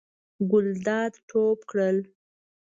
ګلداد ټوپ کړل.